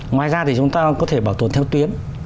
ngoài ra thì chúng ta có thể bảo tồn theo tuyến